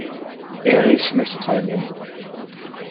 Erich möchte teilnehmen.